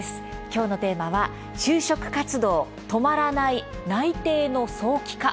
きょうのテーマは「就職活動止まらない内定の早期化